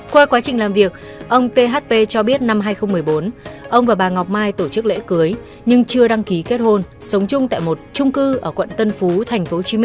qua quá trình làm việc ông php cho biết năm hai nghìn một mươi bốn ông và bà ngọc mai tổ chức lễ cưới nhưng chưa đăng ký kết hôn sống chung tại một trung cư ở quận tân phú tp hcm